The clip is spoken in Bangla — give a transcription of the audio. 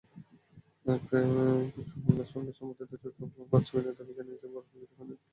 পেট্রোবাংলার সঙ্গে সম্পাদিত চুক্তি অবিলম্বে বাস্তবায়নের দাবি জানিয়েছেন বড়পুকুরিয়া খনি এলাকার ক্ষতিগ্রস্ত ব্যক্তিরা।